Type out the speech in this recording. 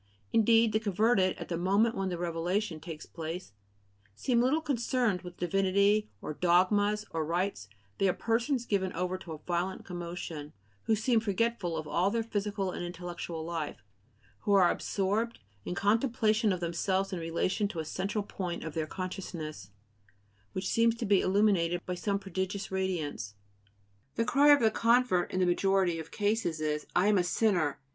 Indeed, the converted, at the moment when the revelation takes place, seem little concerned with divinity, or dogmas, or rites; they are persons given over to a violent commotion, who seem forgetful of all their physical and intellectual life, and who are absorbed in contemplation of themselves in relation to a central point of their consciousness, which seems to be illuminated by some prodigious radiance. The cry of the convert in the majority of cases is: "I am a sinner!"